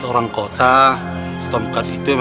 buat orang kota tomcat itu memang sangat berharga